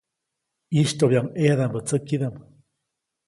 ʼYistyoʼbyaʼuŋ ʼeyadaʼmbä tsäkidaʼm.